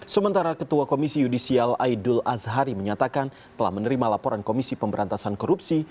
sementara ketua komisi yudisial aidul azhari menyatakan telah menerima laporan komisi pemberantasan korupsi